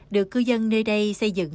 được cư dân nơi đây xây dựng